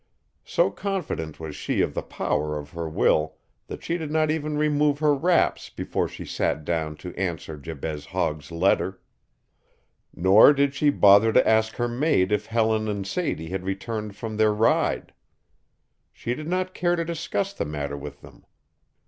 So confident was she of the power of her will that she did not even remove her wraps before she sat down to answer Jabez Hogg's letter. Nor did she bother to ask her maid if Helen and Sadie had returned from their ride. She did not care to discuss the matter with them.